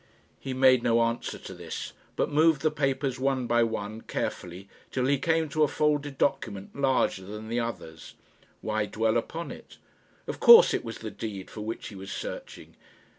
He made no answer to this, but moved the papers one by one carefully till he came to a folded document larger than the others. Why dwell upon it? Of course it was the deed for which he was searching.